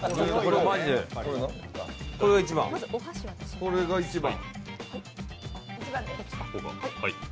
これが１番？